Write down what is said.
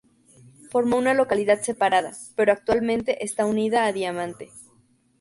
Formó una localidad separada, pero actualmente está unida a Diamante.